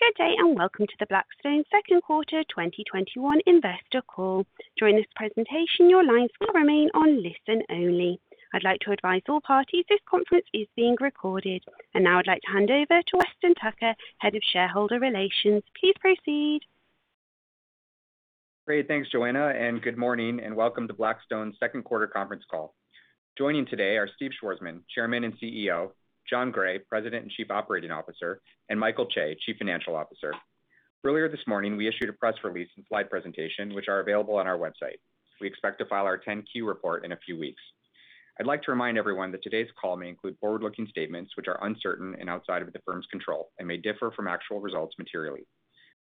Good day, and welcome to the Blackstone second quarter 2021 investor call. During this presentation, your lines will remain on listen only. I'd like to advise all parties this conference is being recorded. Now I'd like to hand over to Weston Tucker, Head of Shareholder Relations. Please proceed. Great. Thanks, Joanna, and good morning, and welcome to Blackstone's second quarter conference call. Joining today are Steve Schwarzman, Chairman and CEO, Jon Gray, President and Chief Operating Officer, and Michael Chae, Chief Financial Officer. Earlier this morning, we issued a press release and slide presentation, which are available on our website. We expect to file our 10-Q report in a few weeks. I'd like to remind everyone that today's call may include forward-looking statements, which are uncertain and outside of the firm's control and may differ from actual results materially.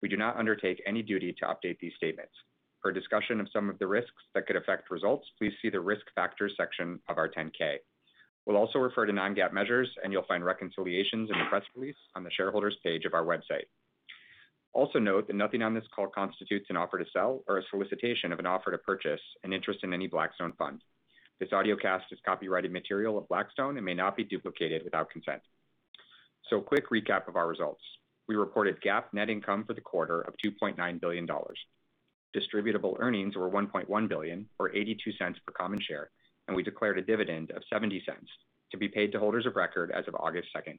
We do not undertake any duty to update these statements. For a discussion of some of the risks that could affect results, please see the Risk Factors section of our 10-K. We'll also refer to non-GAAP measures, and you'll find reconciliations in the press release on the Shareholders page of our website. Note that nothing on this call constitutes an offer to sell or a solicitation of an offer to purchase an interest in any Blackstone fund. This audiocast is copyrighted material of Blackstone and may not be duplicated without consent. A quick recap of our results. We reported GAAP net income for the quarter of $2.9 billion. Distributable earnings were $1.1 billion, or $0.82 per common share, and we declared a dividend of $0.70 to be paid to holders of record as of August 2nd.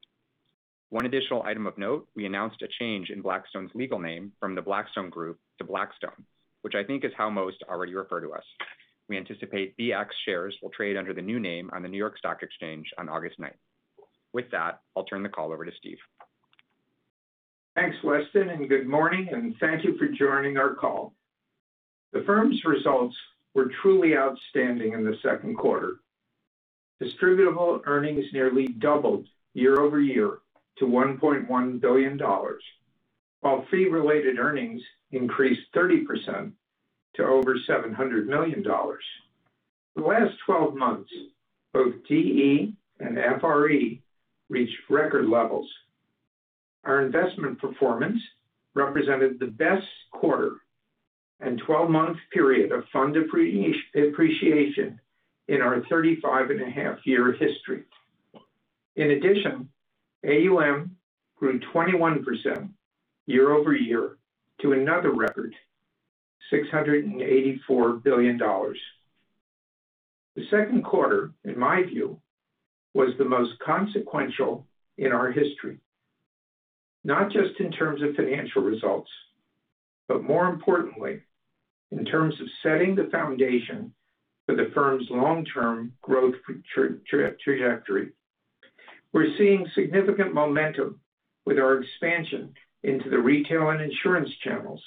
One additional item of note, we announced a change in Blackstone's legal name from the Blackstone Group to Blackstone, which I think is how most already refer to us. We anticipate BX shares will trade under the new name on the New York Stock Exchange on August 9th. I'll turn the call over to Steve. Thanks, Weston. Good morning, and thank you for joining our call. The firm's results were truly outstanding in the second quarter. Distributable earnings nearly doubled year-over-year to $1.1 billion, while fee-related earnings increased 30% to over $700 million. In the last 12 months, both DE and FRE reached record levels. Our investment performance represented the best quarter and 12-month period of fund appreciation in our 35 and a half year history. In addition, AUM grew 21% year-over-year to another record, $684 billion. The second quarter, in my view, was the most consequential in our history, not just in terms of financial results, but more importantly, in terms of setting the foundation for the firm's long-term growth trajectory. We're seeing significant momentum with our expansion into the retail and insurance channels,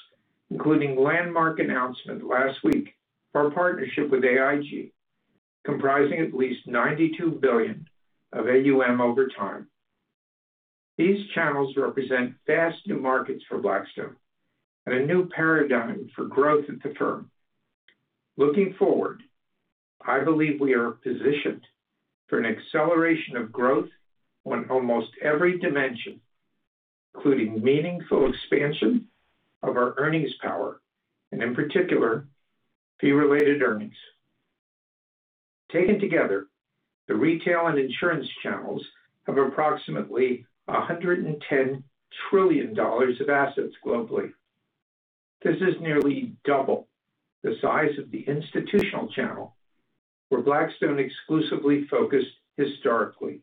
including landmark announcement last week for our partnership with AIG, comprising at least $92 billion of AUM over time. These channels represent vast new markets for Blackstone and a new paradigm for growth at the firm. Looking forward, I believe we are positioned for an acceleration of growth on almost every dimension, including meaningful expansion of our earnings power, and in particular, fee-related earnings. Taken together, the retail and insurance channels have approximately $110 trillion of assets globally. This is nearly double the size of the institutional channel where Blackstone exclusively focused historically.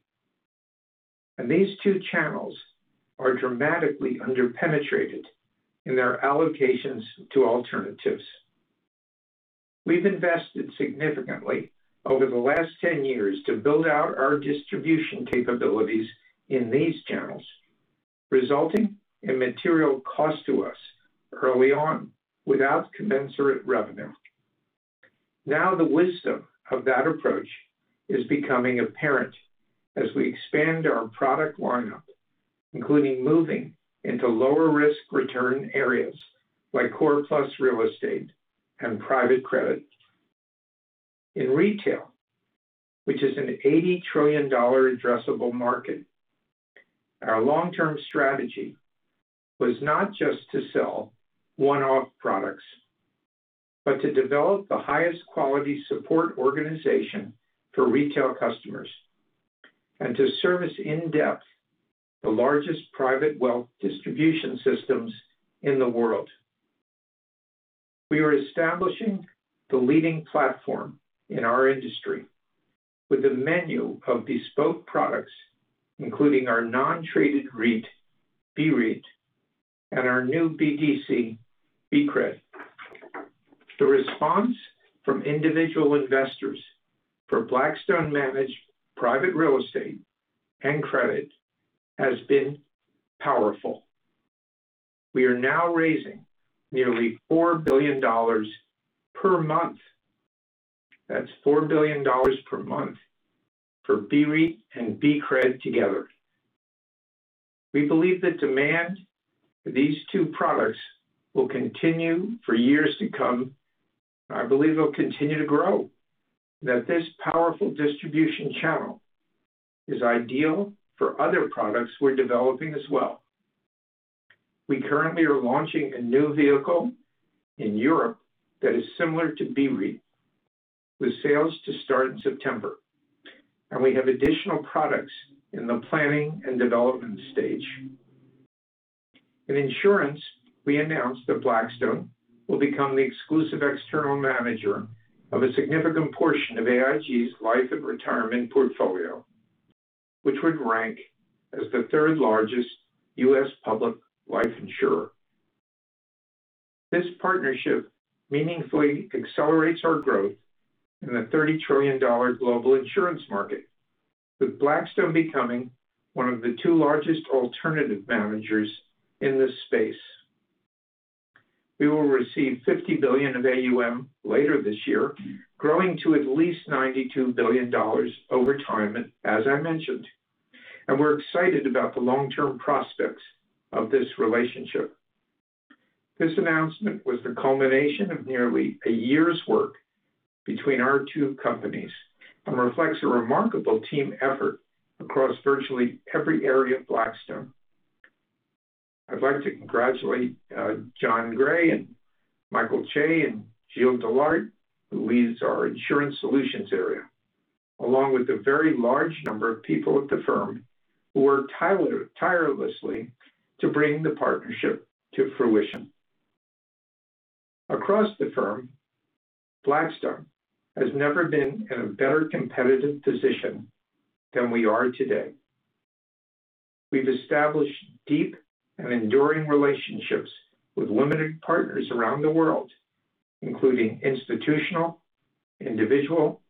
These two channels are dramatically under-penetrated in their allocations to alternatives. We've invested significantly over the last 10 years to build out our distribution capabilities in these channels, resulting in material cost to us early on without commensurate revenue. Now, the wisdom of that approach is becoming apparent as we expand our product lineup, including moving into lower risk return areas like Core+ real estate and private credit. In retail, which is an $80 trillion addressable market, our long-term strategy was not just to sell one-off products, but to develop the highest quality support organization for retail customers and to service in-depth the largest private wealth distribution systems in the world. We are establishing the leading platform in our industry with a menu of bespoke products, including our non-traded REIT, BREIT, and our new BDC, BCRED. The response from individual investors for Blackstone-managed private real estate and credit has been powerful. We are now raising nearly $4 billion per month. That's $4 billion per month for BREIT and BCRED together. We believe the demand for these two products will continue for years to come. I believe it'll continue to grow, that this powerful distribution channel is ideal for other products we're developing as well. We currently are launching a new vehicle in Europe that is similar to BREIT, with sales to start in September. We have additional products in the planning and development stage. In insurance, we announced that Blackstone will become the exclusive external manager of a significant portion of AIG's Life and Retirement portfolio, which would rank as the third largest U.S. public life insurer. This partnership meaningfully accelerates our growth in the $30 trillion global insurance market, with Blackstone becoming one of the two largest alternative managers in this space. We will receive $50 billion of AUM later this year, growing to at least $92 billion over time, as I mentioned. We're excited about the long-term prospects of this relationship. This announcement was the culmination of nearly a year's work between our two companies and reflects a remarkable team effort across virtually every area of Blackstone. I'd like to congratulate Jon Gray and Michael Chae and Gilles Dellaert, who leads our insurance solutions area, along with a very large number of people at the firm who worked tirelessly to bring the partnership to fruition. Across the firm, Blackstone has never been in a better competitive position than we are today. We've established deep and enduring relationships with limited partners around the world, including institutional, individual,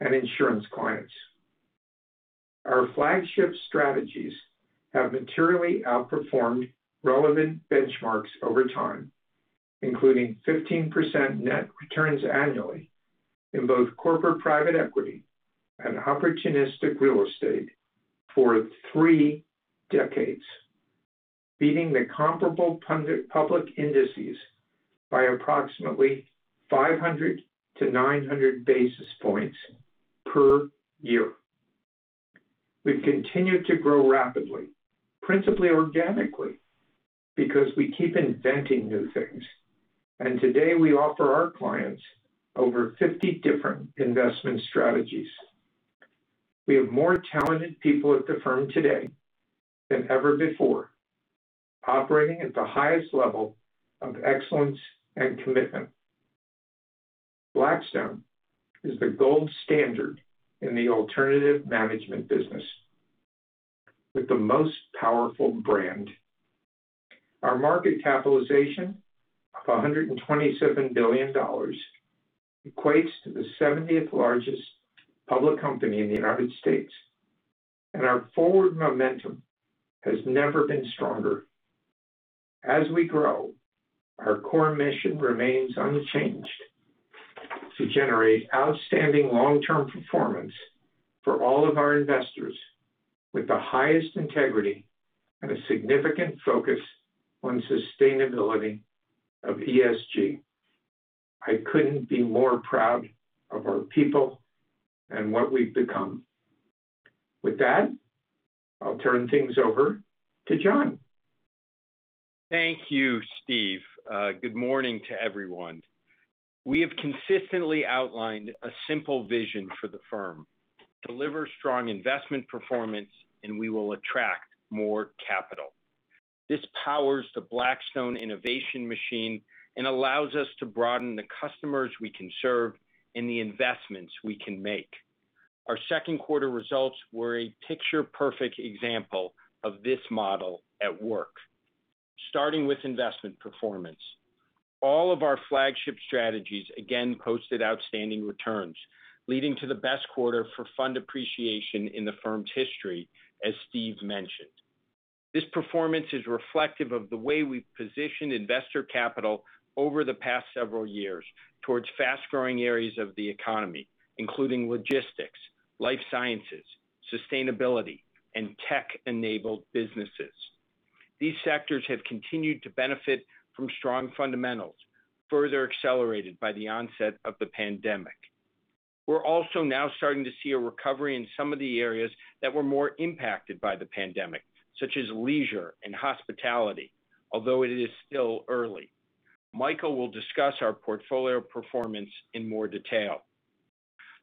and insurance clients. Our flagship strategies have materially outperformed relevant benchmarks over time, including 15% net returns annually in both corporate private equity and opportunistic real estate for three decades, beating the comparable public indices by approximately 500-900 basis points per year. We've continued to grow rapidly, principally organically, because we keep inventing new things, and today we offer our clients over 50 different investment strategies. We have more talented people at the firm today than ever before, operating at the highest level of excellence and commitment. Blackstone is the gold standard in the alternative management business, with the most powerful brand. Our market capitalization of $127 billion equates to the 70th largest public company in the U.S. Our forward momentum has never been stronger. As we grow our core mission remains unchanged, to generate outstanding long-term performance for all of our investors with the highest integrity and a significant focus on sustainability of ESG. I couldn't be more proud of our people and what we've become. With that, I'll turn things over to Jon. Thank you, Steve. Good morning to everyone. We have consistently outlined a simple vision for the firm. Deliver strong investment performance and we will attract more capital. This powers the Blackstone innovation machine and allows us to broaden the customers we can serve and the investments we can make. Our second quarter results were a picture perfect example of this model at work. Starting with investment performance. All of our flagship strategies again posted outstanding returns, leading to the best quarter for fund appreciation in the firm's history, as Steve mentioned. This performance is reflective of the way we've positioned investor capital over the past several years towards fast-growing areas of the economy, including logistics, life sciences, sustainability, and tech-enabled businesses. These sectors have continued to benefit from strong fundamentals, further accelerated by the onset of the pandemic. We're also now starting to see a recovery in some of the areas that were more impacted by the pandemic, such as leisure and hospitality, although it is still early. Michael will discuss our portfolio performance in more detail.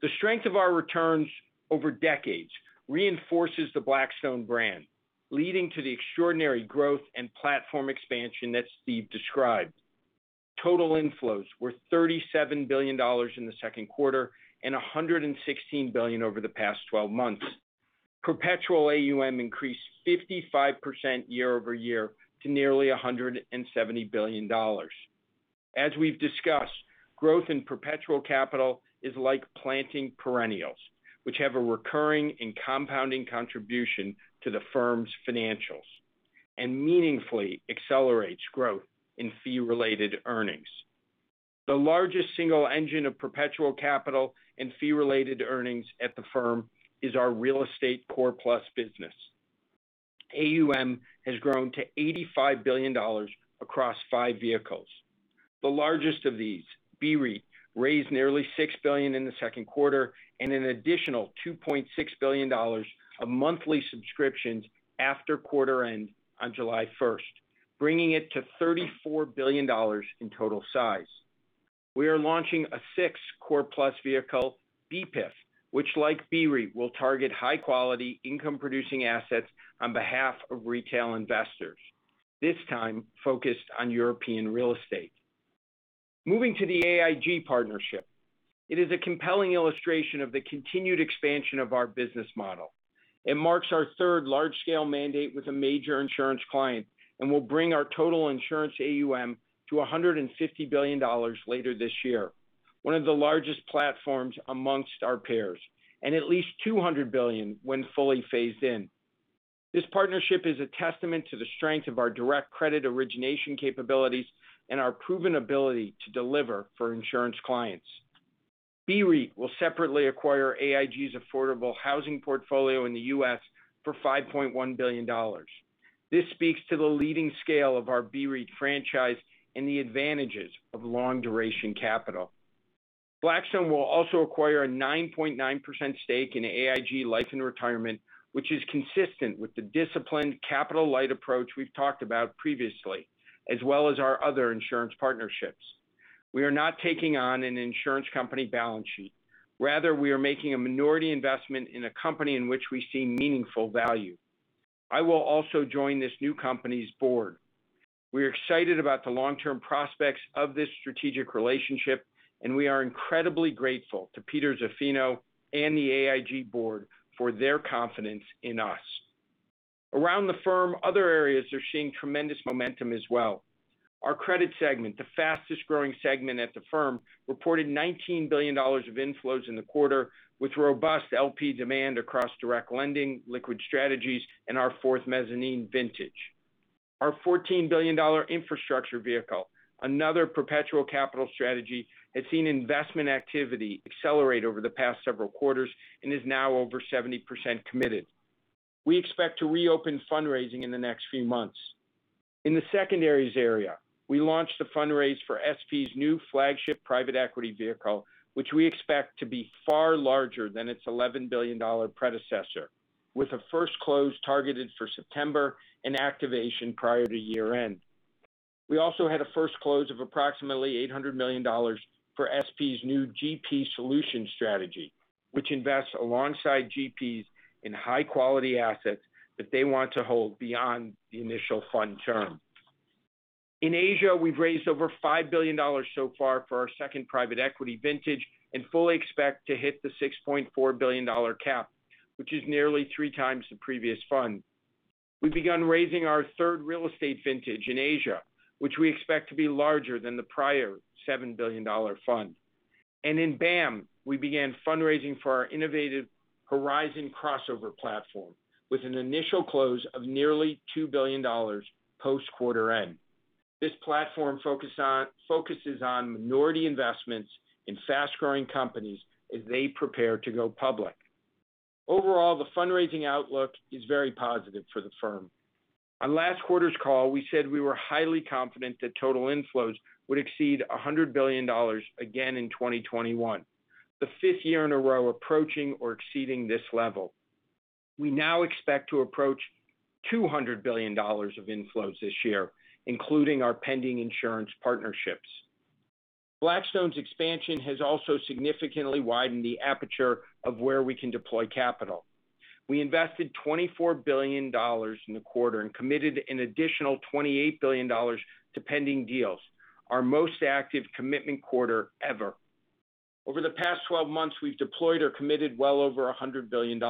The strength of our returns over decades reinforces the Blackstone brand, leading to the extraordinary growth and platform expansion that Steve described. Total inflows were $37 billion in the second quarter and $116 billion over the past 12 months. Perpetual AUM increased 55% year-over-year to nearly $170 billion. As we've discussed, growth in perpetual capital is like planting perennials, which have a recurring and compounding contribution to the firm's financials and meaningfully accelerates growth in fee-related earnings. The largest single engine of perpetual capital and fee-related earnings at the firm is our real estate Core+ business. AUM has grown to $85 billion across five vehicles. The largest of these, BREIT, raised nearly $6 billion in the second quarter and an additional $2.6 billion of monthly subscriptions after quarter end on July 1st, bringing it to $34 billion in total size. We are launching a sixth Core+ vehicle, BEPIF, which like BREIT, will target high-quality income-producing assets on behalf of retail investors, this time focused on European real estate. Moving to the AIG partnership, it is a compelling illustration of the continued expansion of our business model. It marks our third large-scale mandate with a major insurance client and will bring our total insurance AUM to $150 billion later this year, one of the largest platforms amongst our peers, and at least $200 billion when fully phased in. This partnership is a testament to the strength of our direct credit origination capabilities and our proven ability to deliver for insurance clients. BREIT will separately acquire AIG's affordable housing portfolio in the U.S. for $5.1 billion. This speaks to the leading scale of our BREIT franchise and the advantages of long-duration capital. Blackstone will also acquire a 9.9% stake in AIG Life and Retirement, which is consistent with the disciplined capital-light approach we've talked about previously, as well as our other insurance partnerships. We are not taking on an insurance company balance sheet. Rather, we are making a minority investment in a company in which we see meaningful value. I will also join this new company's board. We are excited about the long-term prospects of this strategic relationship, and we are incredibly grateful to Peter Zaffino and the AIG Board for their confidence in us. Around the firm, other areas are seeing tremendous momentum as well. Our credit segment, the fastest-growing segment at the firm, reported $19 billion of inflows in the quarter, with robust LP demand across direct lending, liquid strategies, and our fourth mezzanine vintage. Our $14 billion infrastructure vehicle, another perpetual capital strategy, has seen investment activity accelerate over the past several quarters and is now over 70% committed. We expect to reopen fundraising in the next few months. In the secondaries area, we launched a fundraise for SP's new flagship private equity vehicle, which we expect to be far larger than its $11 billion predecessor, with a first close targeted for September and activation prior to year-end. We also had a first close of approximately $800 million for SP's new GP Solutions strategy, which invests alongside GPs in high-quality assets that they want to hold beyond the initial fund term. In Asia, we've raised over $5 billion so far for our second private equity vintage and fully expect to hit the $6.4 billion cap, which is nearly three times the previous fund. We've begun raising our third real estate vintage in Asia, which we expect to be larger than the prior $7 billion fund. In BAAM, we began fundraising for our innovative Horizon crossover platform with an initial close of nearly $2 billion post quarter end. This platform focuses on minority investments in fast-growing companies as they prepare to go public. Overall, the fundraising outlook is very positive for the firm. On last quarter's call, we said we were highly confident that total inflows would exceed $100 billion again in 2021, the fifth year in a row approaching or exceeding this level. We now expect to approach $200 billion of inflows this year, including our pending insurance partnerships. Blackstone's expansion has also significantly widened the aperture of where we can deploy capital. We invested $24 billion in the quarter and committed an additional $28 billion to pending deals, our most active commitment quarter ever. Over the past 12 months, we've deployed or committed well over $100 billion.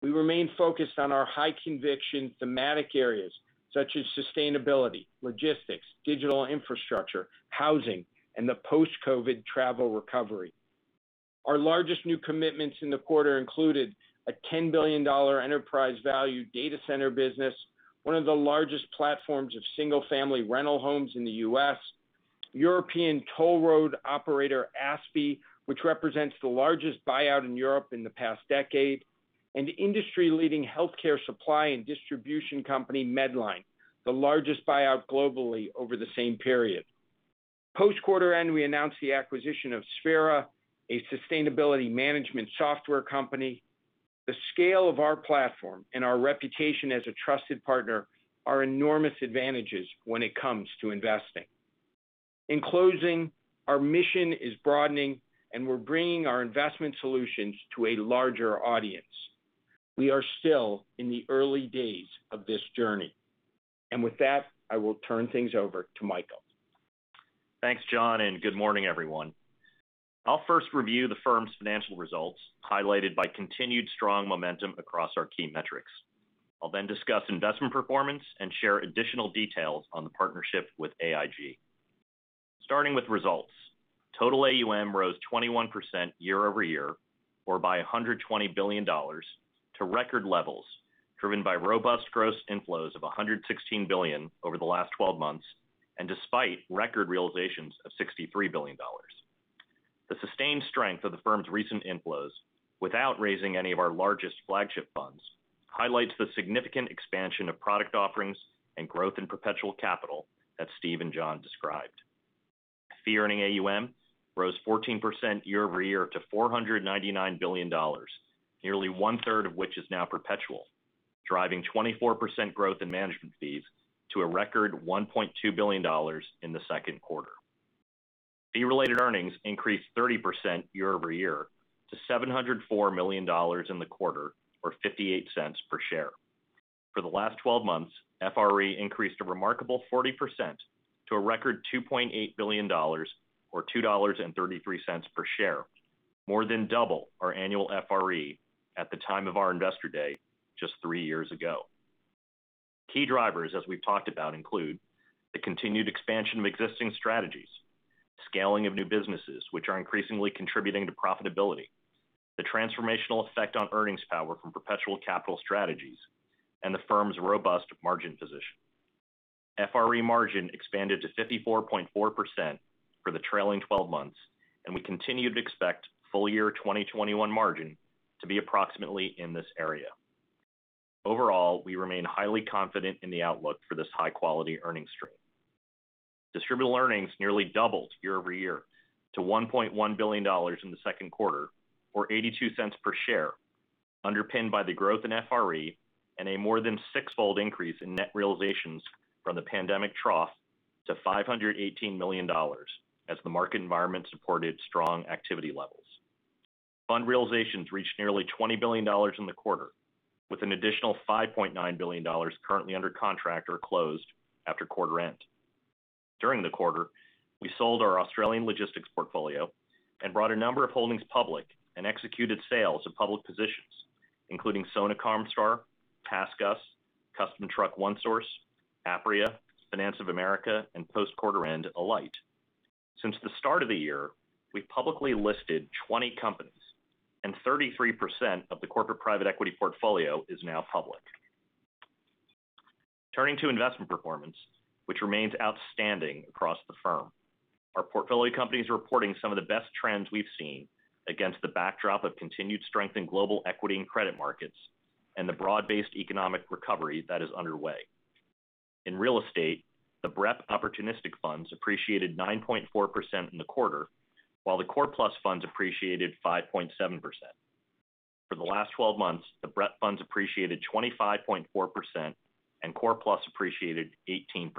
We remain focused on our high-conviction thematic areas such as sustainability, logistics, digital infrastructure, housing, and the post-COVID travel recovery. Our largest new commitments in the quarter included a $10 billion enterprise value data center business, one of the largest platforms of single-family rental homes in the U.S., European toll road operator ASPI, which represents the largest buyout in Europe in the past decade, and industry-leading healthcare supply and distribution company, Medline, the largest buyout globally over the same period. Post quarter end, we announced the acquisition of Sphera, a sustainability management software company. The scale of our platform and our reputation as a trusted partner are enormous advantages when it comes to investing. In closing, our mission is broadening, and we're bringing our investment solutions to a larger audience. We are still in the early days of this journey. With that, I will turn things over to Michael. Thanks, Jon, and good morning, everyone. I'll first review the firm's financial results, highlighted by continued strong momentum across our key metrics. I'll then discuss investment performance and share additional details on the partnership with AIG. Starting with results, total AUM rose 21% year-over-year, or by $120 billion to record levels, driven by robust gross inflows of $116 billion over the last 12 months, and despite record realizations of $63 billion. The sustained strength of the firm's recent inflows, without raising any of our largest flagship funds, highlights the significant expansion of product offerings and growth in perpetual capital that Steve and Jon described. Fee-earning AUM rose 14% year-over-year to $499 billion, nearly 1/3 of which is now perpetual, driving 24% growth in management fees to a record $1.2 billion in the second quarter. Fee-related earnings increased 30% year-over-year to $704 million in the quarter, or $0.58 per share. For the last 12 months, FRE increased a remarkable 40% to a record $2.8 billion, or $2.33 per share, more than double our annual FRE at the time of our investor day just three years ago. Key drivers, as we've talked about, include the continued expansion of existing strategies, scaling of new businesses, which are increasingly contributing to profitability, the transformational effect on earnings power from perpetual capital strategies, and the firm's robust margin position. FRE margin expanded to 54.4% for the trailing 12 months, and we continue to expect full year 2021 margin to be approximately in this area. Overall, we remain highly confident in the outlook for this high-quality earnings stream. Distributable earnings nearly doubled year-over-year to $1.1 billion in the second quarter, or $0.82 per share, underpinned by the growth in FRE and a more than sixfold increase in net realizations from the pandemic trough to $518 million as the market environment supported strong activity levels. Fund realizations reached nearly $20 billion in the quarter, with an additional $5.9 billion currently under contract or closed after quarter end. During the quarter, we sold our Australian logistics portfolio and brought a number of holdings public and executed sales of public positions, including Sona Comstar, TaskUs, Custom Truck One Source, Apria, Finance of America, and post quarter end, Alight. Since the start of the year, we've publicly listed 20 companies, and 33% of the corporate private equity portfolio is now public. Turning to investment performance, which remains outstanding across the firm. Our portfolio companies are reporting some of the best trends we've seen against the backdrop of continued strength in global equity and credit markets and the broad-based economic recovery that is underway. In real estate, the BREP opportunistic funds appreciated 9.4% in the quarter, while the Core+ funds appreciated 5.7%. For the last 12 months, the BREP funds appreciated 25.4% and Core+ appreciated 18%.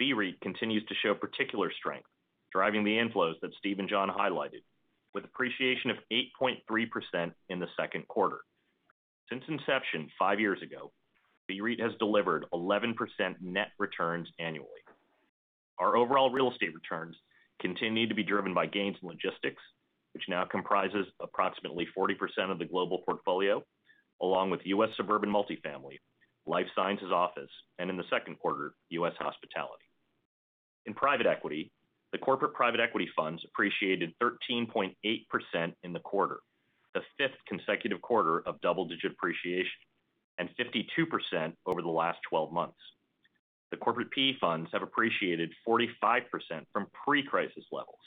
BREIT continues to show particular strength, driving the inflows that Steve and Jon highlighted with appreciation of 8.3% in the second quarter. Since inception five years ago, BREIT has delivered 11% net returns annually. Our overall real estate returns continue to be driven by gains in logistics, which now comprises approximately 40% of the global portfolio, along with U.S. suburban multifamily, life sciences office, and in the second quarter, U.S. hospitality. In private equity, the corporate private equity funds appreciated 13.8% in the quarter, the fifth consecutive quarter of double-digit appreciation, and 52% over the last 12 months. The corporate PE funds have appreciated 45% from pre-crisis levels,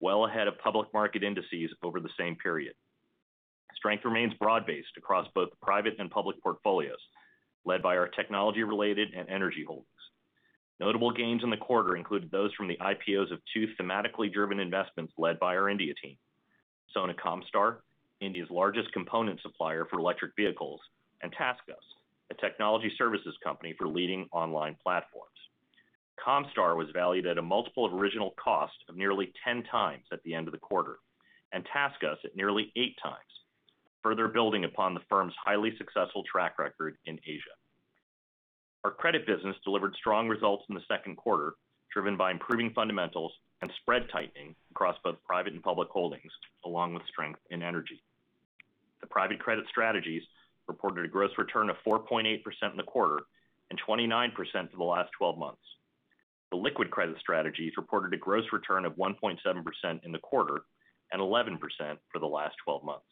well ahead of public market indices over the same period. Strength remains broad-based across both private and public portfolios, led by our technology-related and energy holdings. Notable gains in the quarter included those from the IPOs of two thematically driven investments led by our India team. Sona Comstar, India's largest component supplier for electric vehicles, and TaskUs, a technology services company for leading online platforms. Comstar was valued at a multiple of original cost of nearly 10x at the end of the quarter. TaskUs at nearly 8x. Further building upon the firm's highly successful track record in Asia. Our credit business delivered strong results in the second quarter, driven by improving fundamentals and spread tightening across both private and public holdings, along with strength and energy. The private credit strategies reported a gross return of 4.8% in the quarter and 29% for the last 12 months. The liquid credit strategies reported a gross return of 1.7% in the quarter and 11% for the last 12 months.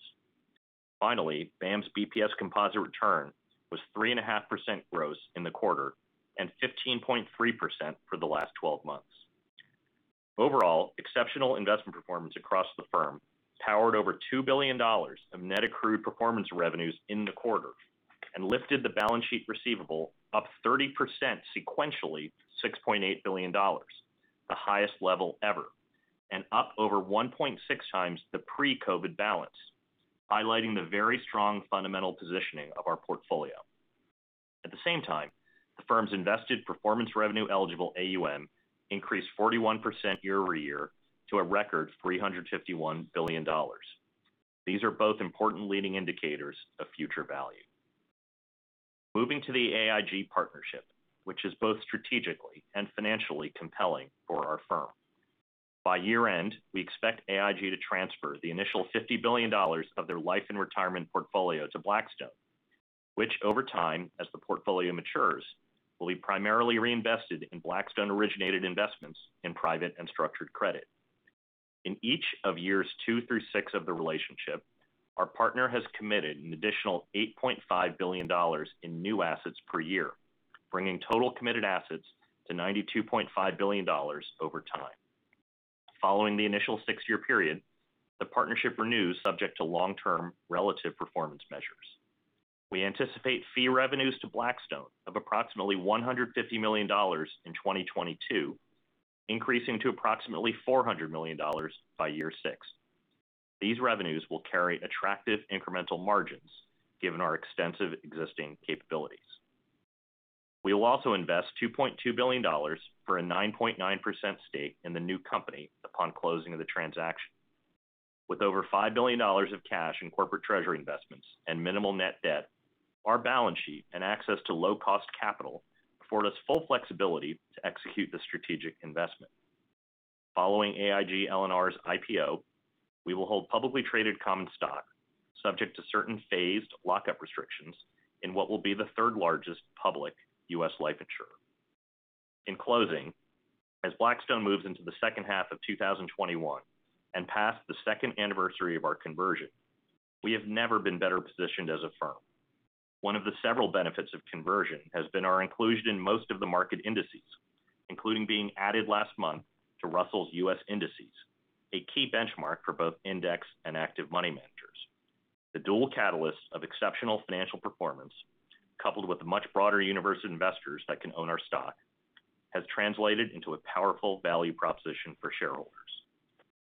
Finally, BAAM's BPS composite return was 3.5% gross in the quarter and 15.3% for the last 12 months. Overall, exceptional investment performance across the firm powered over $2 billion of net accrued performance revenues in the quarter and lifted the balance sheet receivable up 30% sequentially to $6.8 billion, the highest level ever, and up over 1.6x the pre-COVID balance, highlighting the very strong fundamental positioning of our portfolio. At the same time, the firm's invested performance revenue eligible AUM increased 41% year-over-year to a record $351 billion. These are both important leading indicators of future value. Moving to the AIG partnership, which is both strategically and financially compelling for our firm. By year end, we expect AIG to transfer the initial $50 billion of their life and retirement portfolio to Blackstone, which over time, as the portfolio matures, will be primarily reinvested in Blackstone originated investments in private and structured credit. In each of years two through six of the relationship, our partner has committed an additional $8.5 billion in new assets per year, bringing total committed assets to $92.5 billion over time. Following the initial six-year period, the partnership renews subject to long-term relative performance measures. We anticipate fee revenues to Blackstone of approximately $150 million in 2022, increasing to approximately $400 million by year six. These revenues will carry attractive incremental margins given our extensive existing capabilities. We will also invest $2.2 billion for a 9.9% stake in the new company upon closing of the transaction. With over $5 billion of cash in corporate treasury investments and minimal net debt, our balance sheet and access to low-cost capital afford us full flexibility to execute the strategic investment. Following AIG L&R's IPO, we will hold publicly traded common stock subject to certain phased lock-up restrictions in what will be the third largest public U.S. life insurer. In closing, as Blackstone moves into the second half of 2021, and past the second anniversary of our conversion, we have never been better positioned as a firm. One of the several benefits of conversion has been our inclusion in most of the market indices, including being added last month to Russell U.S. Indexes, a key benchmark for both index and active money managers. The dual catalysts of exceptional financial performance, coupled with the much broader universe of investors that can own our stock, has translated into a powerful value proposition for shareholders.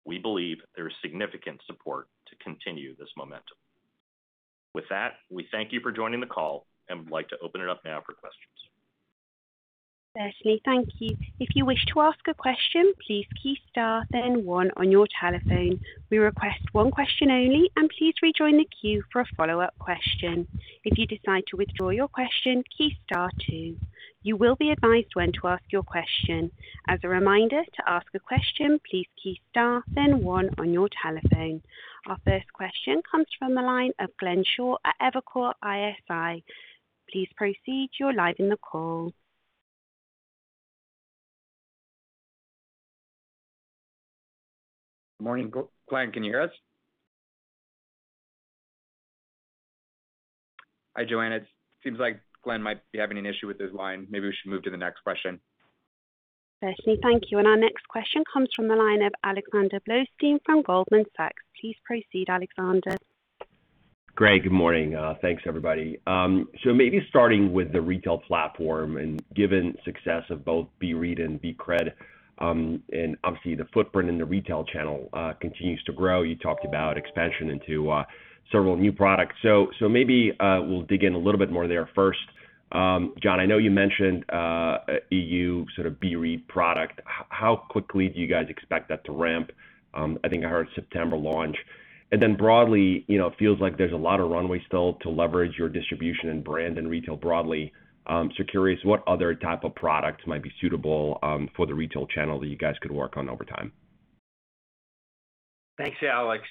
We believe there is significant support to continue this momentum. With that, we thank you for joining the call and would like to open it up now for questions. Certainly. Thank you. Our first question comes from the line of Glenn Schorr at Evercore ISI. Please proceed. You're live in the call. Morning, Glenn Schorr. Can you hear us? Hi, Joanna. It seems like Glenn Schorr might be having an issue with his line. Maybe we should move to the next question. Certainly. Thank you. Our next question comes from the line of Alexander Blostein from Goldman Sachs. Please proceed, Alexander. Greg, good morning. Thanks, everybody. Maybe starting with the retail platform and given success of both BREIT and BCRED, and obviously the footprint in the retail channel continues to grow. You talked about expansion into several new products. Maybe we'll dig in a little bit more there first. Jon, I know you mentioned EU sort of BREIT product. How quickly do you guys expect that to ramp? I think I heard September launch. Broadly, it feels like there's a lot of runway still to leverage your distribution and brand and retail broadly. Curious what other type of products might be suitable for the retail channel that you guys could work on over time? Thanks, Alex.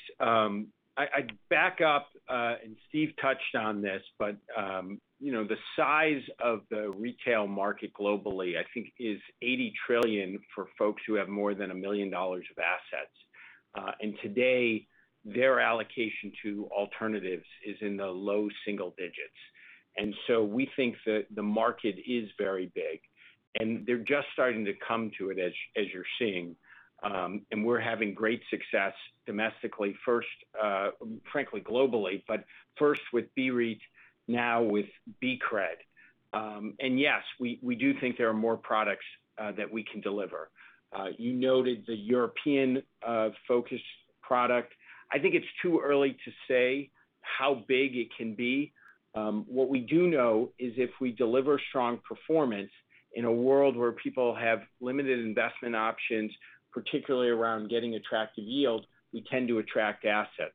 I back up, and Steve touched on this, but the size of the retail market globally, I think is $80 trillion for folks who have more than $1 million of assets. Today, their allocation to alternatives is in the low single digits. We think that the market is very big, and they're just starting to come to it as you're seeing. We're having great success domestically first, frankly globally, but first with BREIT, now with BCRED. Yes, we do think there are more products that we can deliver. You noted the European-focused product. I think it's too early to say how big it can be. What we do know is if we deliver strong performance in a world where people have limited investment options, particularly around getting attractive yield, we tend to attract assets.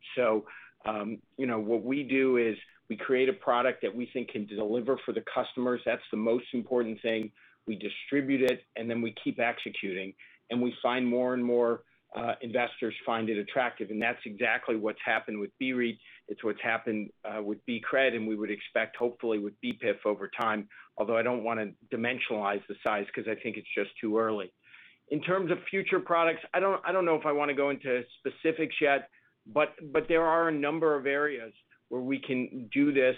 What we do is we create a product that we think can deliver for the customers. That's the most important thing. We distribute it, and then we keep executing, and we find more and more investors find it attractive. That's exactly what's happened with BREIT, it's what's happened with BCRED, and we would expect, hopefully, with BEPIF over time, although I don't want to dimensionalize the size because I think it's just too early. In terms of future products, I don't know if I want to go into specifics yet, but there are a number of areas where we can do this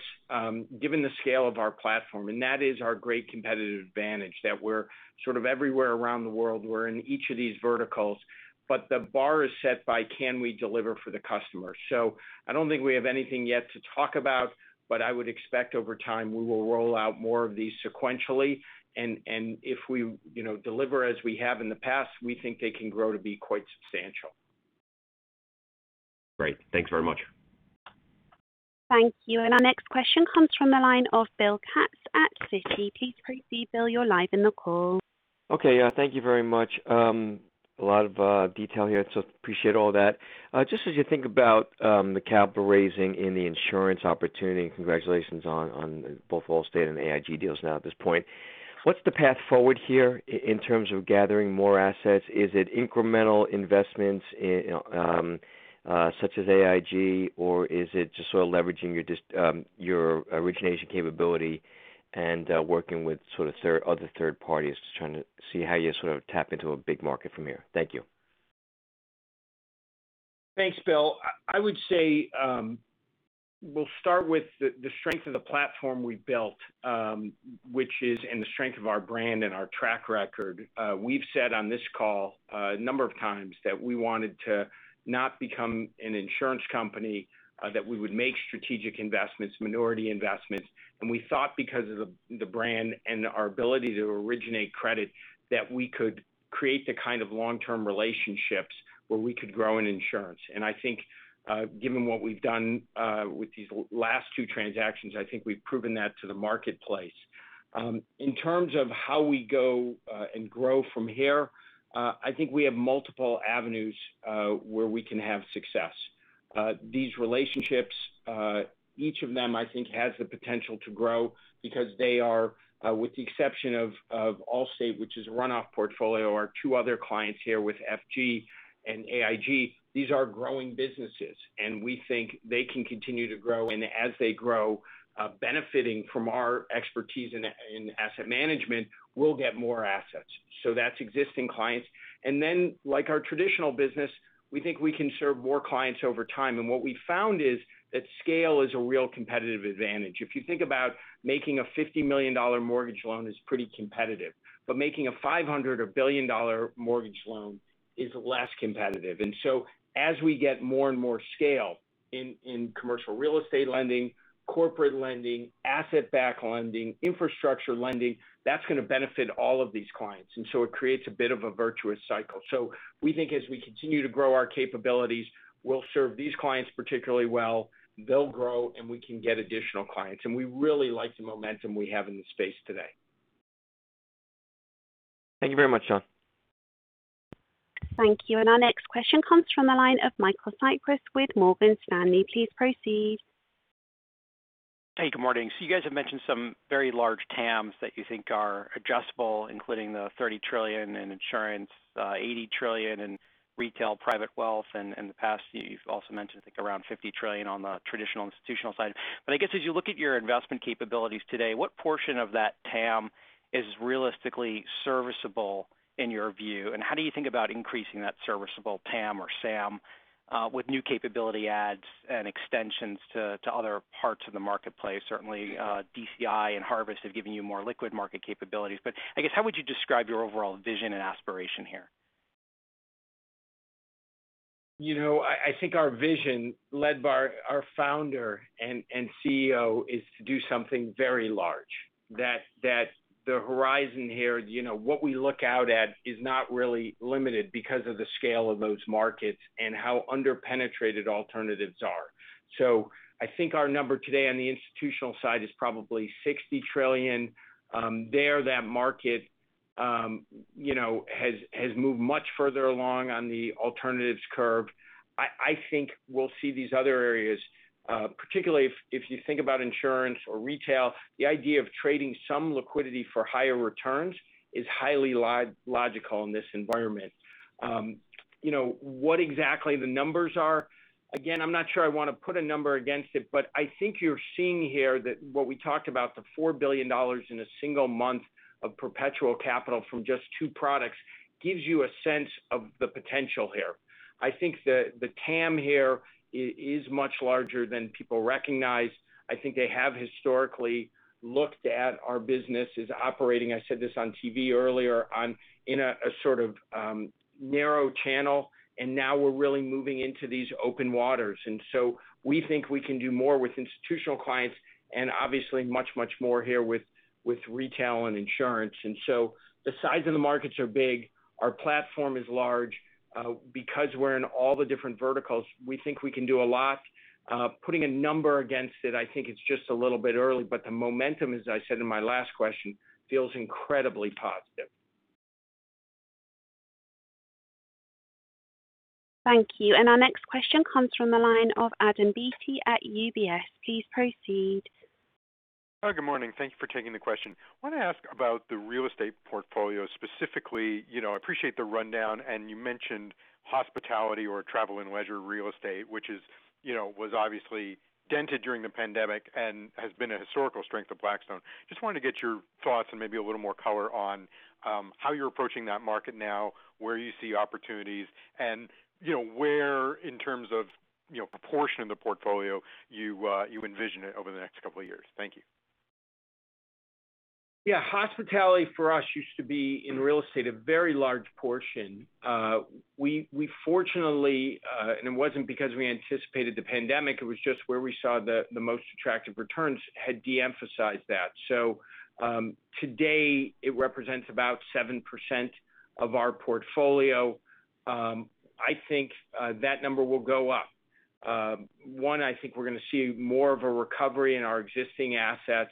given the scale of our platform, and that is our great competitive advantage, that we're sort of everywhere around the world. We're in each of these verticals, but the bar is set by can we deliver for the customer? I don't think we have anything yet to talk about, but I would expect over time, we will roll out more of these sequentially, and if we deliver as we have in the past, we think they can grow to be quite substantial. Great. Thanks very much. Thank you. Our next question comes from the line of Bill Katz at Citi. Please proceed, Bill. You're live in the call. Okay. Thank you very much. A lot of detail here, so appreciate all that. Just as you think about the capital raising and the insurance opportunity, congratulations on both Allstate and the AIG deals now at this point. What's the path forward here in terms of gathering more assets? Is it incremental investments such as AIG, or is it just sort of leveraging your origination capability and working with other third parties, just trying to see how you sort of tap into a big market from here. Thank you. Thanks, Bill. I would say, we'll start with the strength of the platform we've built, and the strength of our brand and our track record. We've said on this call a number of times that we wanted to not become an insurance company, that we would make strategic investments, minority investments. We thought because of the brand and our ability to originate credit, that we could create the kind of long-term relationships where we could grow in insurance. I think, given what we've done with these last two transactions, I think we've proven that to the marketplace. In terms of how we go, and grow from here, I think we have multiple avenues where we can have success. These relationships, each of them, I think, has the potential to grow because they are, with the exception of Allstate, which is a runoff portfolio, our two other clients here with FG and AIG, these are growing businesses, and we think they can continue to grow, and as they grow, benefiting from our expertise in asset management, we'll get more assets. So that's existing clients. Then like our traditional business, we think we can serve more clients over time. What we've found is that scale is a real competitive advantage. If you think about making a $50 million mortgage loan is pretty competitive, but making a $500 or billion-dollar mortgage loan is less competitive. So as we get more and more scale in commercial real estate lending, corporate lending, asset-backed lending, infrastructure lending, that's going to benefit all of these clients. It creates a bit of a virtuous cycle. We think as we continue to grow our capabilities, we'll serve these clients particularly well. They'll grow, and we can get additional clients. We really like the momentum we have in the space today. Thank you very much, Jon. Thank you. Our next question comes from the line of Michael Cyprys with Morgan Stanley. Please proceed. Hey, good morning. You guys have mentioned some very large TAMs that you think are adjustable, including the $30 trillion in insurance, $80 trillion in retail private wealth. In the past you've also mentioned, I think, around $50 trillion on the traditional institutional side. I guess as you look at your investment capabilities today, what portion of that TAM is realistically serviceable in your view, and how do you think about increasing that serviceable TAM or SAM, with new capability adds and extensions to other parts of the marketplace? Certainly, DCI and Harvest have given you more liquid market capabilities. I guess, how would you describe your overall vision and aspiration here? I think our vision led by our founder and CEO is to do something very large. The horizon here, what we look out at is not really limited because of the scale of those markets and how under-penetrated alternatives are. I think our number today on the institutional side is probably $60 trillion. There, that market has moved much further along on the alternatives curve. I think we'll see these other areas, particularly if you think about insurance or retail, the idea of trading some liquidity for higher returns is highly logical in this environment. What exactly the numbers are? Again, I'm not sure I want to put a number against it, but I think you're seeing here that what we talked about, the $4 billion in a single month of perpetual capital from just two products gives you a sense of the potential here. I think the TAM here is much larger than people recognize. I think they have historically looked at our business as operating, I said this on TV earlier, in a sort of narrow channel, and now we're really moving into these open waters. We think we can do more with institutional clients and obviously much more here with retail and insurance. The size of the markets are big. Our platform is large. Because we're in all the different verticals, we think we can do a lot. Putting a number against it, I think it's just a little bit early, but the momentum, as I said in my last question, feels incredibly positive. Thank you. Our next question comes from the line of Adam Beatty at UBS. Please proceed. Hi. Good morning. Thank you for taking the question. I want to ask about the real estate portfolio specifically. I appreciate the rundown, and you mentioned hospitality or travel and leisure real estate, which was obviously dented during the pandemic and has been a historical strength of Blackstone. Just wanted to get your thoughts and maybe a little more color on how you're approaching that market now, where you see opportunities, and where in terms of proportion of the portfolio you envision it over the next couple of years. Thank you. Yeah. Hospitality for us used to be in real estate, a very large portion. We fortunately, and it wasn't because we anticipated the pandemic, it was just where we saw the most attractive returns, had de-emphasized that. Today it represents about 7% of our portfolio. I think that number will go up. One, I think we're going to see more of a recovery in our existing assets.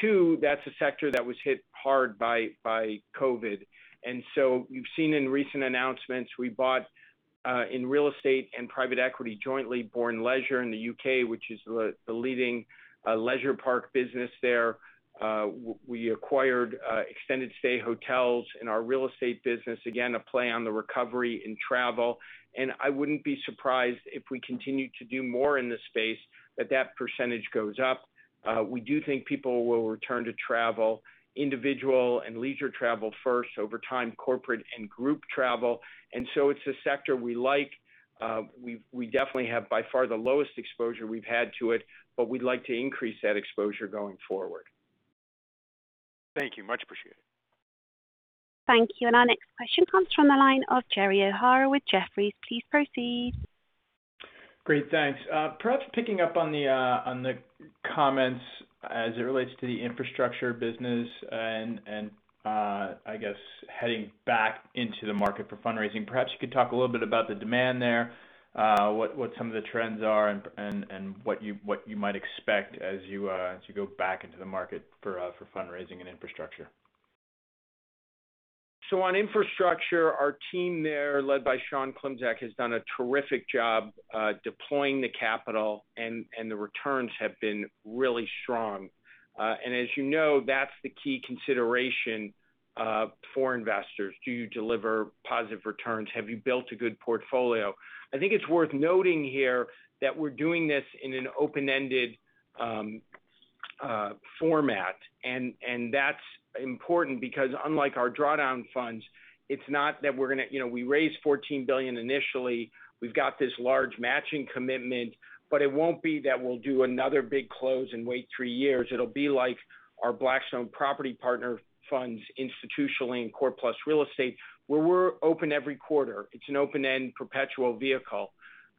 Two, that's a sector that was hit hard by COVID. You've seen in recent announcements, we bought, in real estate and private equity, jointly, Bourne Leisure in the U.K., which is the leading leisure park business there. We acquired extended stay hotels in our real estate business. Again, a play on the recovery in travel. I wouldn't be surprised if we continue to do more in this space, that that percentage goes up. We do think people will return to travel, individual and leisure travel first, over time, corporate and group travel. It's a sector we like. We definitely have, by far, the lowest exposure we've had to it, but we'd like to increase that exposure going forward. Thank you. Much appreciated. Thank you. Our next question comes from the line of Jerry O'Hara with Jefferies. Please proceed. Great, thanks. Perhaps picking up on the comments as it relates to the infrastructure business and, I guess, heading back into the market for fundraising. Perhaps you could talk a little bit about the demand there, what some of the trends are, and what you might expect as you go back into the market for fundraising and infrastructure. On infrastructure, our team there, led by Sean Klimczak, has done a terrific job deploying the capital, and the returns have been really strong. As you know, that's the key consideration for investors. Do you deliver positive returns? Have you built a good portfolio? I think it's worth noting here that we're doing this in an open-ended format, that's important because unlike our drawdown funds, it's not that we raised $14 billion initially. We've got this large matching commitment, it won't be that we'll do another big close and wait three years. It'll be like our Blackstone Property Partners funds institutionally in Core+ real estate, where we're open every quarter. It's an open-end perpetual vehicle.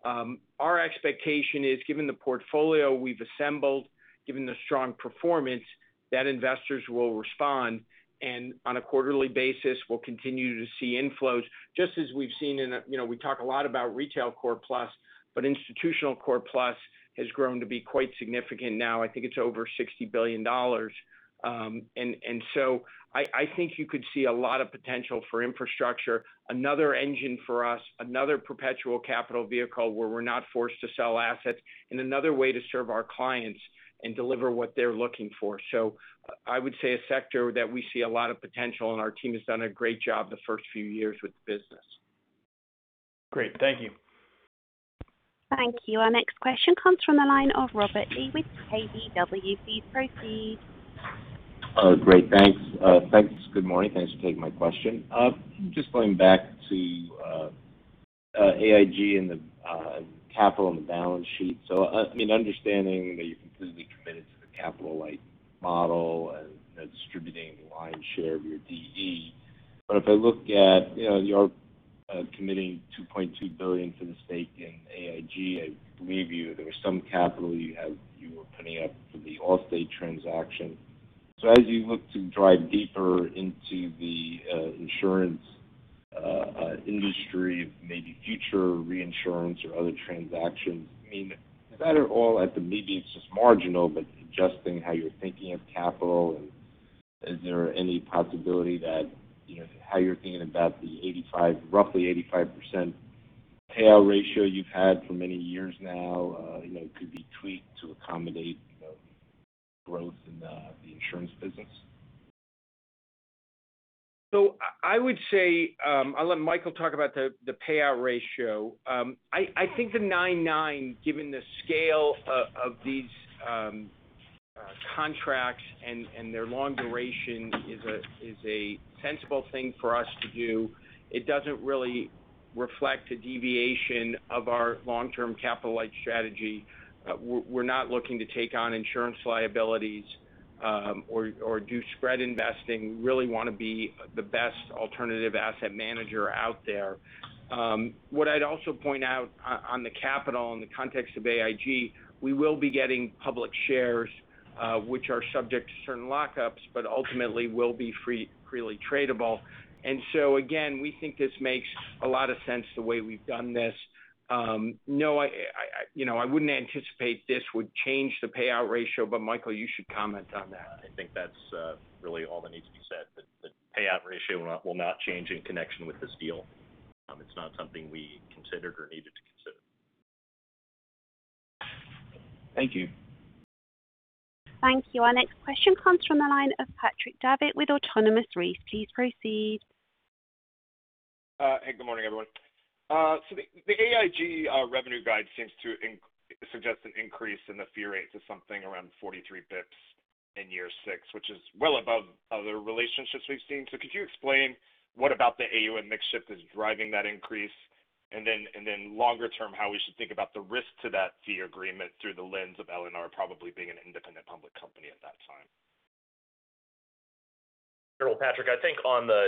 Our expectation is, given the portfolio we've assembled, given the strong performance, that investors will respond. On a quarterly basis, we'll continue to see inflows just as we've seen. We talk a lot about retail Core+, institutional Core+ has grown to be quite significant now. I think it's over $60 billion. I think you could see a lot of potential for infrastructure. Another engine for us, another perpetual capital vehicle where we're not forced to sell assets, and another way to serve our clients and deliver what they're looking for. I would say a sector that we see a lot of potential. Our team has done a great job the first few years with the business. Great, thank you. Thank you. Our next question comes from the line of Robert Lee with KBW. Please proceed. Great, thanks. Good morning. Thanks for taking my question. Just going back to AIG and the capital on the balance sheet. Understanding that you're completely committed to the capital-light model and distributing the lion's share of your DE. If I look at you are committing $2.2 billion for the stake in AIG. I believe there was some capital you were putting up for the Allstate transaction. As you look to drive deeper into the insurance industry, maybe future reinsurance or other transactions, is that at all, at the margins, just marginal, but adjusting how you're thinking of capital? Is there any possibility that how you're thinking about the roughly 85% payout ratio you've had for many years now could be tweaked to accommodate growth in the insurance business? I would say, I'll let Michael talk about the payout ratio. I think the 9.9%, given the scale of these contracts and their long duration is a sensible thing for us to do. It doesn't really reflect a deviation of our long-term capital-light strategy. We're not looking to take on insurance liabilities or do spread investing, really want to be the best alternative asset manager out there. What I'd also point out on the capital in the context of AIG, we will be getting public shares, which are subject to certain lockups but ultimately will be freely tradable. Again, we think this makes a lot of sense the way we've done this. I wouldn't anticipate this would change the payout ratio, Michael, you should comment on that. I think that's really all that needs to be said. The payout ratio will not change in connection with this deal. It's not something we considered or needed to consider. Thank you. Thank you. Our next question comes from the line of Patrick Davitt with Autonomous Research. Please proceed. Good morning, everyone. The AIG revenue guide seems to suggest an increase in the fee rates of something around 43 basis points in year six, which is well above other relationships we've seen. Could you explain what about the AUM mix shift is driving that increase? Longer term, how we should think about the risk to that fee agreement through the lens of L&R probably being an independent public company at that time. Sure. Well, Patrick, I think on the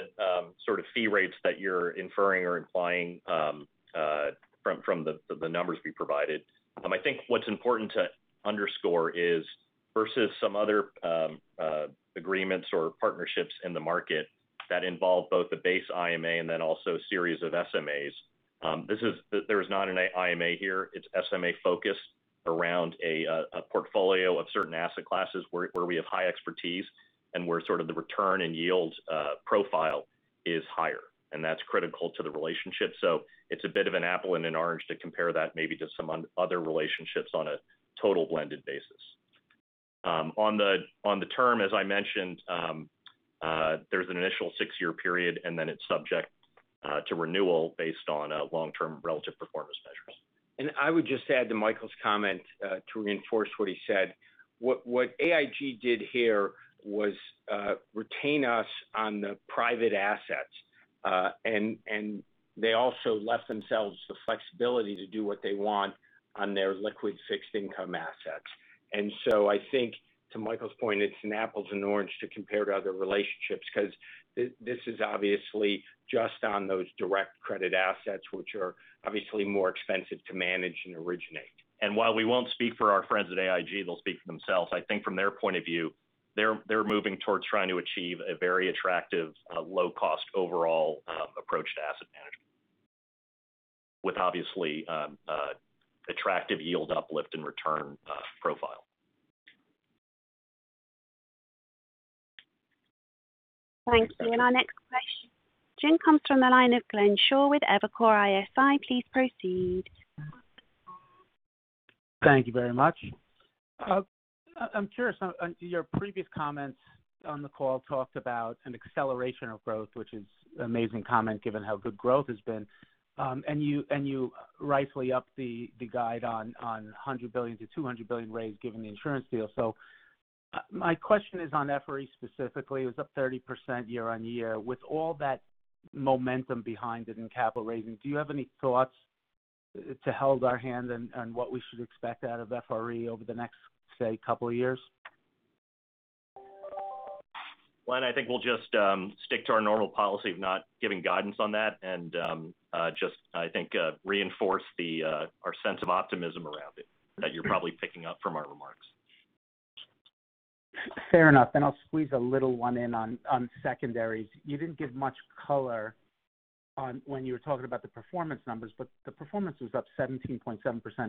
sort of fee rates that you're inferring or implying from the numbers we provided, I think what's important to underscore is versus some other agreements or partnerships in the market that involve both a base IMA and then also a series of SMAs. There is not an IMA here. It's SMA-focused around a portfolio of certain asset classes where we have high expertise and where sort of the return and yield profile is higher, and that's critical to the relationship. It's a bit of an apple and an orange to compare that maybe to some other relationships on a total blended basis. On the term, as I mentioned. There's an initial six-year period, and then it's subject to renewal based on long-term relative performance measures. I would just add to Michael's comment to reinforce what he said. What AIG did here was retain us on the private assets. They also left themselves the flexibility to do what they want on their liquid fixed income assets. So I think to Michael's point, it's an apples and oranges to compare to other relationships, because this is obviously just on those direct credit assets, which are obviously more expensive to manage and originate. While we won't speak for our friends at AIG, they'll speak for themselves. I think from their point of view, they're moving towards trying to achieve a very attractive low-cost overall approach to asset management with obviously attractive yield uplift and return profile. Thanks. Our next question, Jim, comes from the line of Glenn Schorr with Evercore ISI. Please proceed. Thank you very much. I'm curious on your previous comments on the call talked about an acceleration of growth, which is amazing comment given how good growth has been. You rightfully upped the guide on a $100 billion-$200 billion raise given the insurance deal. My question is on FRE specifically. It was up 30% year-over-year. With all that momentum behind it in capital raising, do you have any thoughts to hold our hand on what we should expect out of FRE over the next, say, couple of years? Glenn, I think we'll just stick to our normal policy of not giving guidance on that. Just I think reinforce our sense of optimism around it that you're probably picking up from our remarks. Fair enough. I'll squeeze a little one in on secondaries. You didn't give much color when you were talking about the performance numbers, but the performance was up 17.7%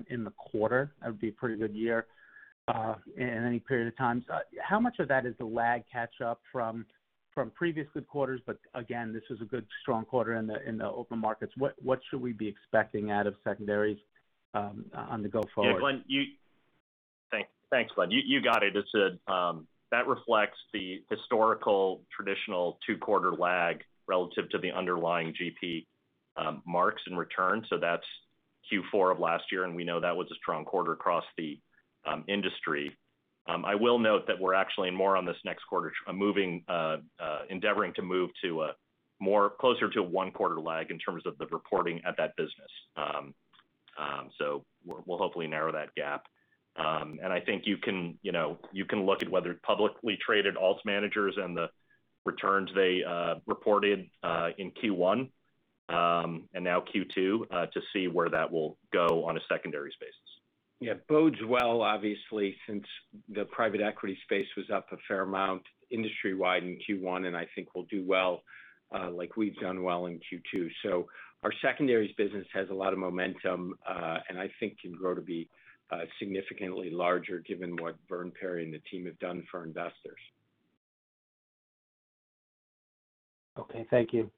in the quarter. That would be a pretty good year in any period of time. How much of that is the lag catch up from previous good quarters? Again, this is a good strong quarter in the open markets. What should we be expecting out of secondaries on the go forward? Yeah. Thanks, Glenn. You got it. That reflects the historical traditional two-quarter lag relative to the underlying GP marks in return. That's Q4 of last year, and we know that was a strong quarter across the industry. I will note that we're actually more on this next quarter endeavoring to move to closer to a one-quarter lag in terms of the reporting at that business. We'll hopefully narrow that gap. I think you can look at whether publicly traded alts managers and the returns they reported in Q1 and now Q2 to see where that will go on a secondary basis. Yeah. Bodes well, obviously, since the private equity space was up a fair amount industry-wide in Q1, and I think will do well like we've done well in Q2. Our secondaries business has a lot of momentum, and I think can grow to be significantly larger given what Verdun Perry and the team have done for investors. Okay. Thank you.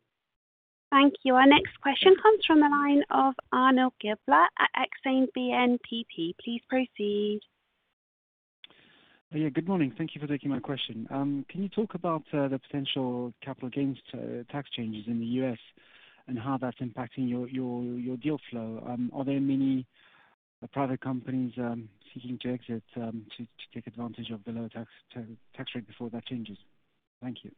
Thank you. Our next question comes from the line of Arnaud Giblat at Exane BNP. Please proceed. Yeah, good morning. Thank you for taking my question. Can you talk about the potential capital gains tax changes in the U.S. and how that's impacting your deal flow? Are there many private companies seeking to exit to take advantage of the low tax rate before that changes? Thank you.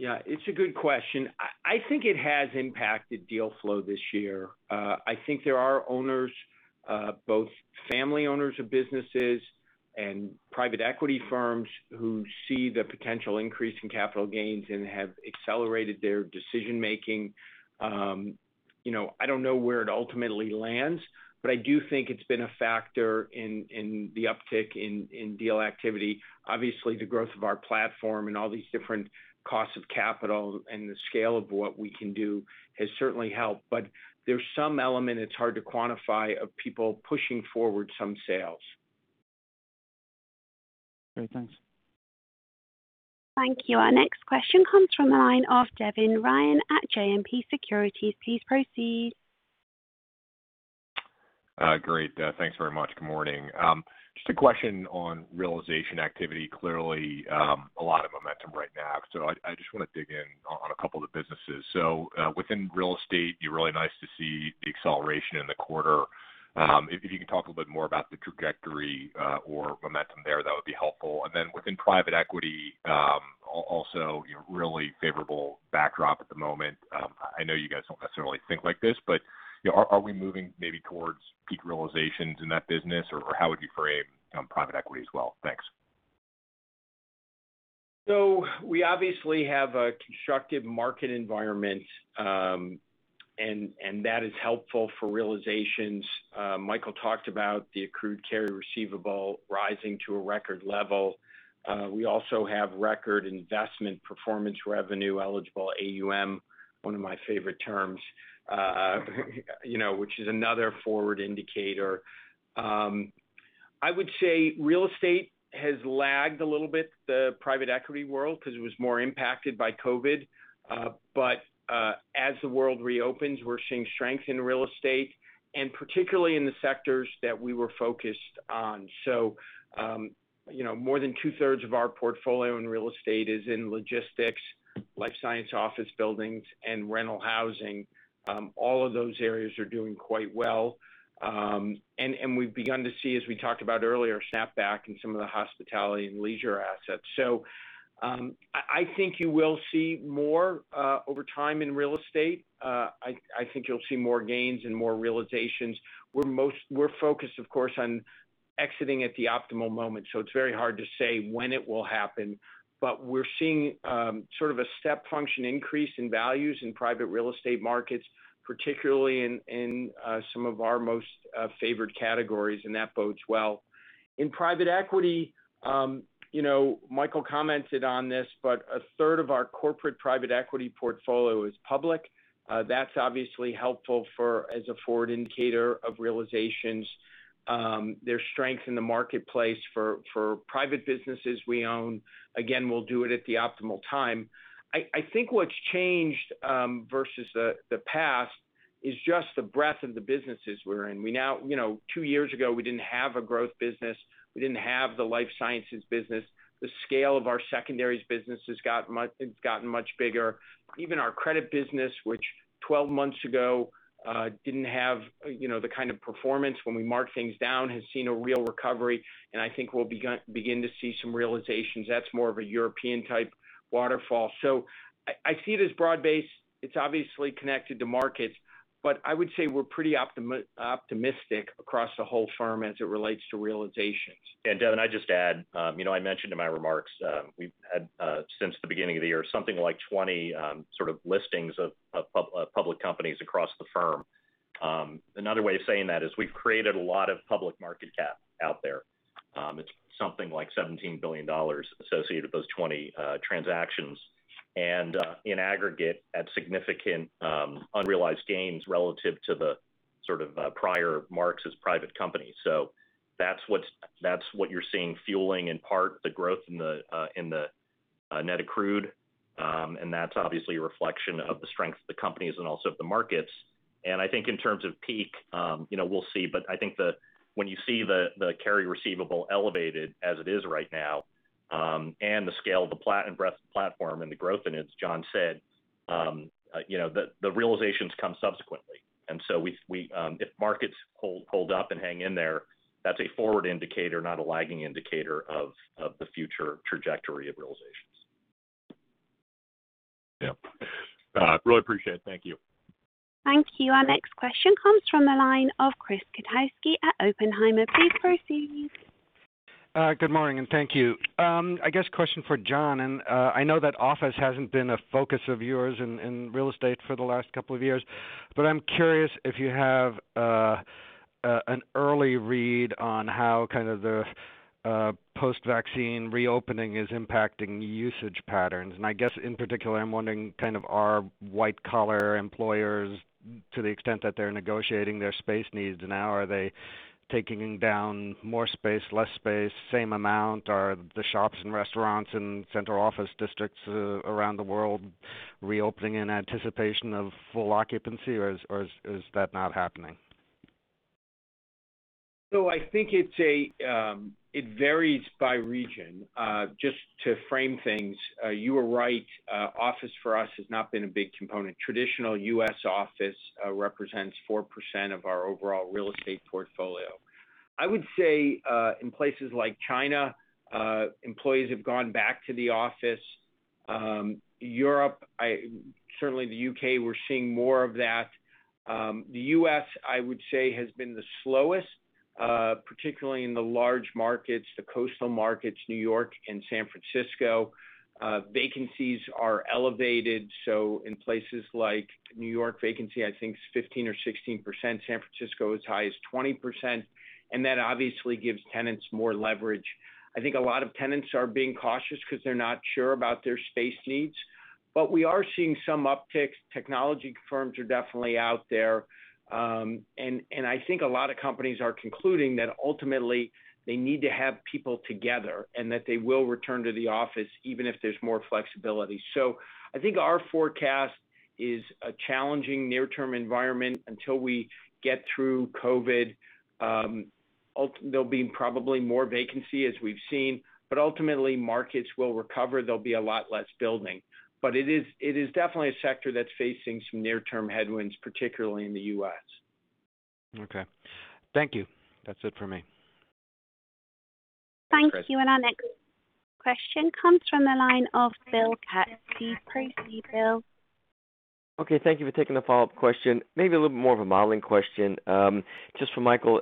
Yeah, it's a good question. I think it has impacted deal flow this year. I think there are owners, both family owners of businesses and private equity firms who see the potential increase in capital gains and have accelerated their decision-making. I don't know where it ultimately lands, but I do think it's been a factor in the uptick in deal activity. Obviously, the growth of our platform and all these different costs of capital and the scale of what we can do has certainly helped. There's some element that's hard to quantify of people pushing forward some sales. Great. Thanks. Thank you. Our next question comes from the line of Devin Ryan at JMP Securities. Please proceed. Great. Thanks very much. Good morning. Just a question on realization activity. Clearly, a lot of momentum right now. I just want to dig in on a couple of the businesses. Within real estate, be really nice to see the acceleration in the quarter. If you could talk a bit more about the trajectory or momentum there, that would be helpful. Then within private equity, also really favorable backdrop at the moment. I know you guys don't necessarily think like this, but are we moving maybe towards peak realizations in that business? How would you frame private equity as well? Thanks. We obviously have a constructive market environment, and that is helpful for realizations. Michael talked about the accrued carry receivable rising to a record level. We also have record investment performance revenue eligible AUM, one of my favorite terms, which is another forward indicator. I would say real estate has lagged a little bit the private equity world because it was more impacted by COVID. As the world reopens, we're seeing strength in real estate. Particularly in the sectors that we were focused on. More than 2/3 of our portfolio in real estate is in logistics, life science office buildings, and rental housing. All of those areas are doing quite well. We've begun to see, as we talked about earlier, a snap back in some of the hospitality and leisure assets. I think you will see more over time in real estate. I think you'll see more gains and more realizations. We're focused, of course, on exiting at the optimal moment, so it's very hard to say when it will happen. We're seeing sort of a step function increase in values in private real estate markets, particularly in some of our most favored categories, and that bodes well. In private equity, Michael commented on this, a third of our corporate private equity portfolio is public. That's obviously helpful as a forward indicator of realizations. There's strength in the marketplace for private businesses we own. Again, we'll do it at the optimal time. I think what's changed versus the past is just the breadth of the businesses we're in. Two years ago, we didn't have a growth business, we didn't have the life sciences business. The scale of our secondaries business has gotten much bigger. Even our credit business, which 12 months ago didn't have the kind of performance when we marked things down, has seen a real recovery, and I think we'll begin to see some realizations. That's more of a European-type waterfall. I see it as broad-based. It's obviously connected to markets. I would say we're pretty optimistic across the whole firm as it relates to realizations. Devin, I'd just add, I mentioned in my remarks, we've had, since the beginning of the year, something like 20 sort of listings of public companies across the firm. Another way of saying that is we've created a lot of public market cap out there. It's something like $17 billion associated with those 20 transactions. In aggregate, at significant unrealized gains relative to the sort of prior marks as private companies. That's what you're seeing fueling, in part, the growth in the net accrued. That's obviously a reflection of the strength of the companies and also of the markets. I think in terms of peak we'll see, but I think when you see the carry receivable elevated as it is right now, and the scale and breadth of the platform and the growth in it, as Jon said, the realizations come subsequently. If markets hold up and hang in there, that's a forward indicator, not a lagging indicator of the future trajectory of realizations. Yeah. Really appreciate it. Thank you. Thank you. Our next question comes from the line of Chris Kotowski at Oppenheimer. Please proceed. Good morning, and thank you. I guess question for Jon. I know that office hasn't been a focus of yours in real estate for the last couple of years, but I'm curious if you have an early read on how kind of the post-vaccine reopening is impacting usage patterns. I guess in particular, I'm wondering kind of are white-collar employers, to the extent that they're negotiating their space needs now, are they taking down more space, less space, same amount? Are the shops and restaurants in central office districts around the world reopening in anticipation of full occupancy, or is that not happening? I think it varies by region. Just to frame things, you are right, office for us has not been a big component. Traditional U.S. office represents 4% of our overall real estate portfolio. I would say in places like China, employees have gone back to the office. Europe, certainly the U.K., we're seeing more of that. The U.S., I would say, has been the slowest, particularly in the large markets, the coastal markets, New York and San Francisco. Vacancies are elevated. In places like New York, vacancy, I think, is 15% or 16%. San Francisco is high as 20%, and that obviously gives tenants more leverage. I think a lot of tenants are being cautious because they're not sure about their space needs. We are seeing some upticks. Technology firms are definitely out there. I think a lot of companies are concluding that ultimately they need to have people together, and that they will return to the office, even if there's more flexibility. I think our forecast is a challenging near-term environment until we get through COVID. There'll be probably more vacancy, as we've seen, but ultimately, markets will recover. There'll be a lot less building. It is definitely a sector that's facing some near-term headwinds, particularly in the U.S. Okay. Thank you. That's it for me. Thank you. Our next question comes from the line of Bill Katz. Please proceed, Bill. Okay, thank you for taking the follow-up question. Maybe a little bit more of a modeling question. Just for Michael,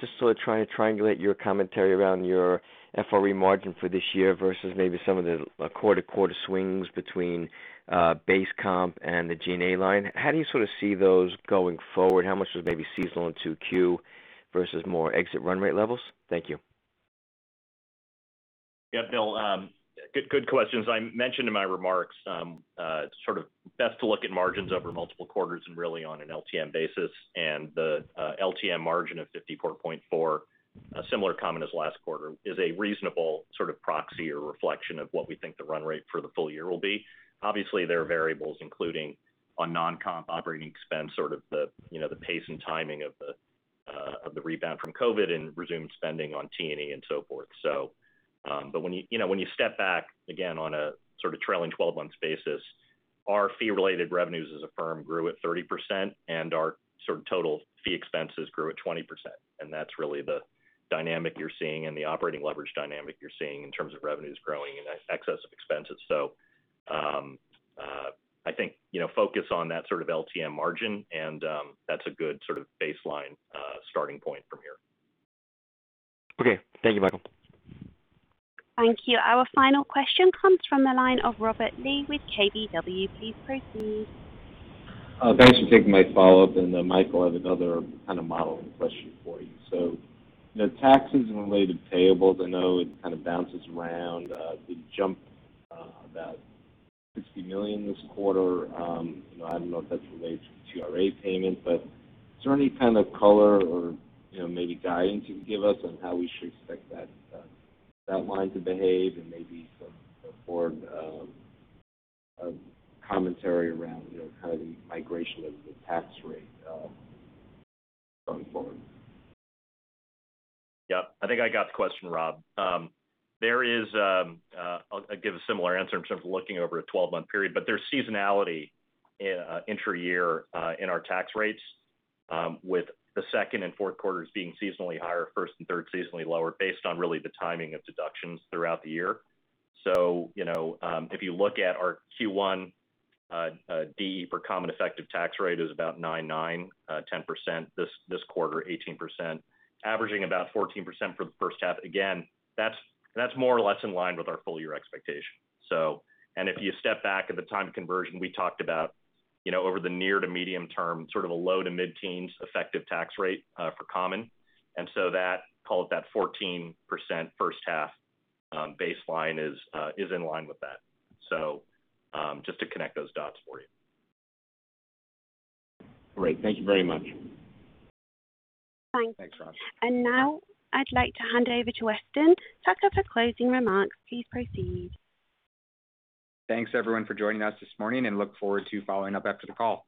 just sort of trying to triangulate your commentary around your FRE margin for this year versus maybe some of the quarter-to-quarter swings between base comp and the G&A line. How do you sort of see those going forward? How much was maybe seasonal in 2Q versus more exit run rate levels? Thank you. Bill. Good questions. I mentioned in my remarks sort of best to look at margins over multiple quarters and really on an LTM basis. The LTM margin of 54.4%, a similar comment as last quarter, is a reasonable sort of proxy or reflection of what we think the run rate for the full year will be. Obviously, there are variables, including on non-comp operating expense, sort of the pace and timing of the rebound from COVID and resumed spending on T&E and so forth. When you step back, again, on a trailing 12-month basis, our fee-related revenues as a firm grew at 30%. Our total fee expenses grew at 20%. That's really the dynamic you're seeing and the operating leverage dynamic you're seeing in terms of revenues growing in excess of expenses. I think focus on that LTM margin, and that's a good baseline starting point from here. Okay. Thank you, Michael. Thank you. Our final question comes from the line of Robert Lee with KBW. Please proceed. Thanks for taking my follow-up. Michael, I have another kind of modeling question for you. Taxes and related payables, I know it kind of bounces around. It jumped about $60 million this quarter. I don't know if that's related to TRA payment, but is there any kind of color or maybe guidance you can give us on how we should expect that line to behave and maybe some form of commentary around kind of the migration of the tax rate going forward? Yep, I think I got the question, Rob. I'll give a similar answer in terms of looking over a 12-month period, but there's seasonality intra-year in our tax rates with the second and fourth quarters being seasonally higher, first and third seasonally lower based on really the timing of deductions throughout the year. If you look at our Q1 DE for common effective tax rate is about 9.9%, 10%, this quarter 18%, averaging about 14% for the first half. Again, that's more or less in line with our full-year expectation. If you step back at the time of conversion, we talked about over the near to medium term, sort of a low to mid-teens effective tax rate for common. Call it that 14% first half baseline is in line with that. Just to connect those dots for you. Great. Thank you very much. Thanks. Thanks, Rob. Now I'd like to hand over to Weston Tucker for closing remarks. Please proceed. Thanks, everyone, for joining us this morning, and look forward to following up after the call.